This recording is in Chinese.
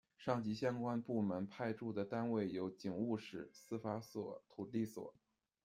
上级相关部门派驻的单位有警务室、司法所、土地所。